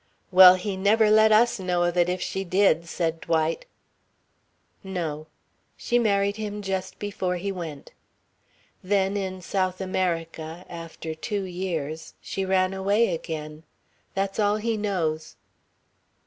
"Well, he never let us know of it, if she did," said Dwight. "No. She married him just before he went. Then in South America, after two years, she ran away again. That's all he knows."